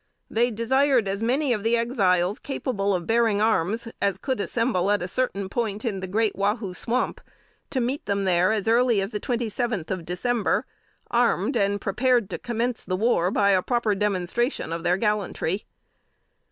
They desired as many of the Exiles capable of bearing arms as could assemble at a certain point in the Great Wahoo Swamp, to meet them there as early as the twenty seventh of December, armed, and prepared to commence the war by a proper demonstration of their gallantry.